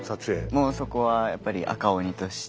もうそこはやっぱり赤鬼として。